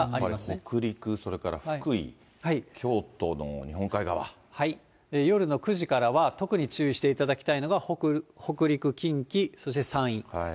北陸、それから福井、夜の９時からは、特に注意していただきたいのが北陸、近畿、そして山陰。